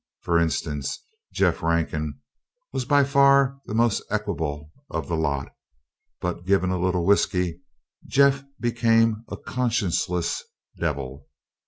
For instance, Jeff Rankin was by far the most equable of the lot, but, given a little whisky, Jeff became a conscienceless devil.